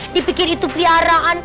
dipikir itu piaraan